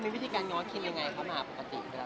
เดี๋ยวเข้าข้างผู้หญิงนิดนึง